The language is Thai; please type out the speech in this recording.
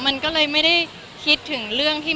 มันก็เลยไม่ได้คิดถึงเรื่องที่